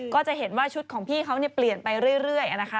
ก็จะเห็นว่าชุดของพี่เขาเปลี่ยนไปเรื่อยนะคะ